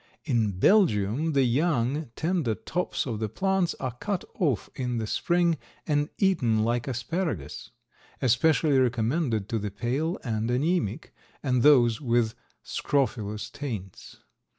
In Belgium the young, tender tops of the plants are cut off in the spring and eaten like asparagus, especially recommended to the pale and anaemic and those with scrofulous taints.